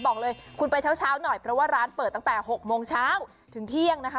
บอกเลยคุณไปเช้าหน่อยเพราะว่าร้านเปิดตั้งแต่๖โมงเช้าถึงเที่ยงนะคะ